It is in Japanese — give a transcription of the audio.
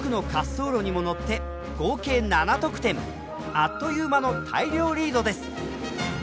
あっという間の大量リードです。